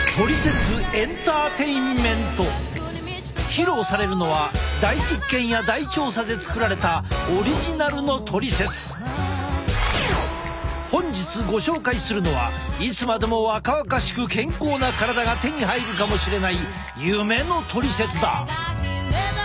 披露されるのは大実験や大調査で作られた本日ご紹介するのはいつまでも若々しく健康な体が手に入るかもしれない夢のトリセツだ。